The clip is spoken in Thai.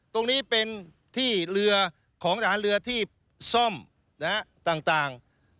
ตรงนี้เป็นของทหารเรือที่ซ่อมต่าง